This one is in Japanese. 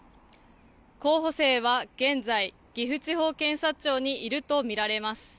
候補生は現在、岐阜地方検察庁にいると見られます。